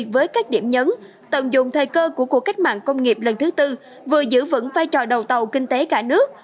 với các điểm nhấn tận dụng thời cơ của cuộc cách mạng công nghiệp lần thứ tư vừa giữ vững vai trò đầu tàu kinh tế cả nước